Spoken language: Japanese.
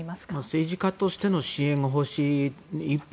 政治家としての支援が欲しい一方